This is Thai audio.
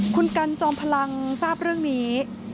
คุณกันจอมพลังทราบเรื่องนี้